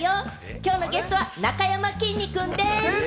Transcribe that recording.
きょうのゲストはなかやまきんに君です！